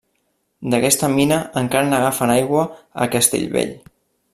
D'aquesta mina encara n'agafen aigua a Castellvell.